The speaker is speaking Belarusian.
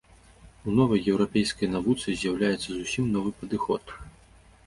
У новай еўрапейскай навуцы з'яўляецца зусім новы падыход.